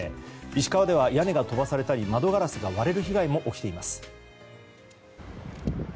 石川では屋根が飛ばされたり窓ガラスが割れる被害も起きています。